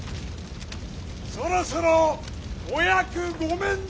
そろそろお役御免で。